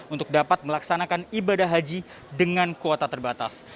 untuk dapat melaksanakan ibadah haji dengan kuota terbatas